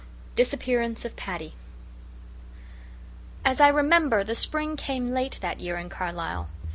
DISAPPEARANCE OF PADDY As I remember, the spring came late that year in Carlisle.